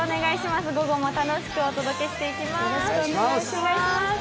午後も楽しくお届けしてまいります。